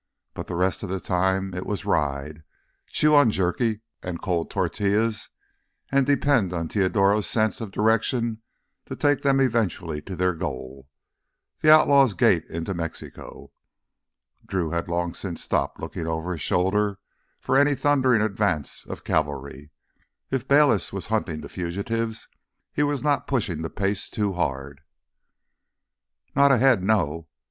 But the rest of the time it was ride, chew on jerky and cold tortillas, and depend on Teodoro's sense of direction to take them eventually to their goal—the outlaws' gate into Mexico. Drew had long since stopped looking over his shoulder for any thundering advance of cavalry. If Bayliss was hunting the fugitives, he was not pushing the pace too hard. "Not ahead, no."